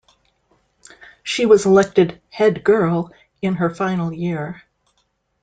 She was elected Head Girl in her final year.